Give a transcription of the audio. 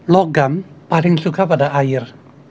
logam paling suka pada air